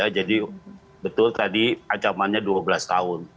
jadi betul tadi acamannya dua belas tahun